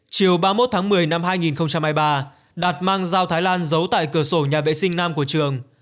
chiều ba mươi một tháng một mươi năm hai nghìn hai mươi ba đạt mang dao thái lan giấu tại cửa sổ nhà vệ sinh nam của trường